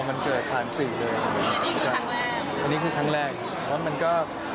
อันนี้คือครั้งแรกแล้วมันก็